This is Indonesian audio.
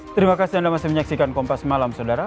terima kasih anda masih menyaksikan kompas malam saudara